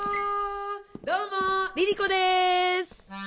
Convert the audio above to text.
どうもＬｉＬｉＣｏです。